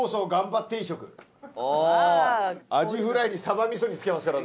アジフライにサバ味噌煮付けますから。